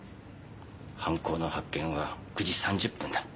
犯行の発見は９時３０分だ。